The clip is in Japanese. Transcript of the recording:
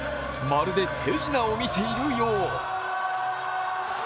まるで手品を見ているよう。